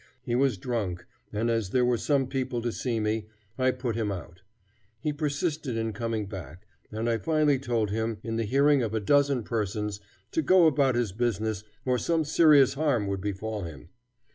He was drunk, and as there were some people to see me, I put him out. He persisted in coming back, and I finally told him, in the hearing of a dozen persons, to go about his business, or some serious harm would befall him.